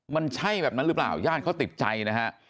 มันใช่แบบนั้นหรือเปล่าญาติเขาติดใจนะฮะ